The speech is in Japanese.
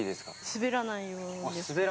滑らないように？